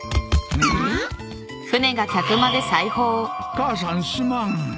母さんすまん。